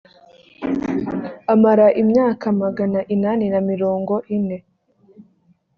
amara imyaka magana inani na mirongo ine